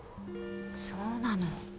そうなの？